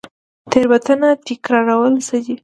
تیروتنه تکرارول څه دي؟